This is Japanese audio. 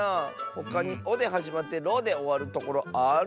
ほかに「お」ではじまって「ろ」でおわるところある？